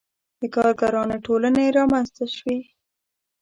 • د کارګرانو ټولنې رامنځته شوې.